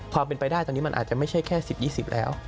ความเป็นไปได้ตอนนี้มันอาจจะไม่ใช่แค่๑๐๒๐แล้ว